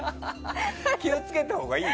気を付けたほうがいいよ。